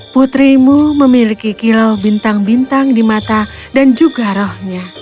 putrimu memiliki kilau bintang bintang di mata dan juga rohnya